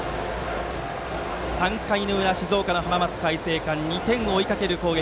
３回の裏、静岡の浜松開誠館２点を追いかける攻撃。